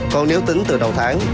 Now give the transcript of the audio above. còn nếu tính từ đầu tháng